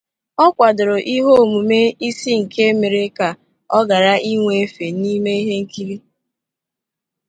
Ọ kwadoro ihe omume ise nke mere ka ọ ghara inwe efe n'ime ihe nkiri.